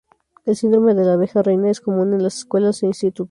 El síndrome de la abeja reina es común en las escuelas e institutos.